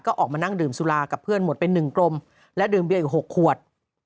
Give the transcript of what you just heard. ก็ออกมานั่งดื่มสุรากับเพื่อนหมดเป็น๑กลมและดื่มเบียอีก๖ขวด